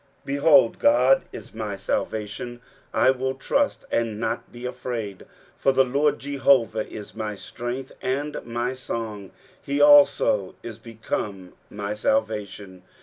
23:012:002 Behold, God is my salvation; I will trust, and not be afraid: for the LORD JEHOVAH is my strength and my song; he also is become my salvation.